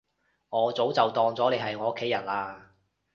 我早就當咗你係我屋企人喇